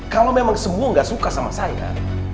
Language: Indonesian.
kalau memang semua tidak suka dengan saya